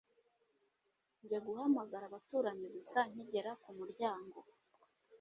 njye guhamagara abaturanyi gusa nkigera kumuryango